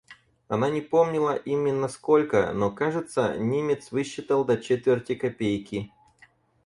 Она не помнила именно сколько, но, кажется, Немец высчитал до четверти копейки.